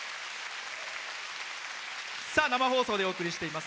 生放送でお送りしています